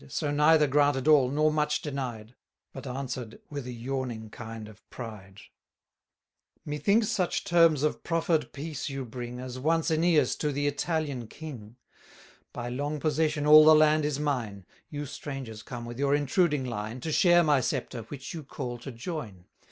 So neither granted all, nor much denied, But answer'd with a yawning kind of pride: Methinks such terms of proffer'd peace you bring, As once Æneas to the Italian king: By long possession all the land is mine; You strangers come with your intruding line, To share my sceptre, which you call to join.